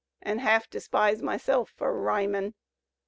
An' half despise myself for rhymin'.